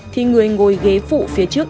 thì người ngồi ghế phụ phía trước